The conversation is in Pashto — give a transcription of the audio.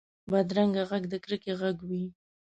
بدرنګه غږ د کرکې غږ وي